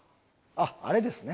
あっあれですね。